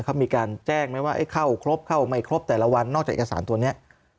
เขามีการแจ้งไหมว่าเข้าครบเข้าไม่ครบแต่ละวันนอกจากเอกสารตัวนี้